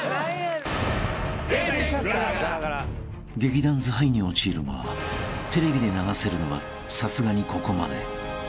［劇団ズハイに陥るもテレビで流せるのはさすがにここまで］